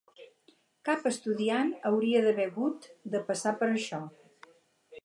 Cap estudiant hauria d'haver hagut de passar per això.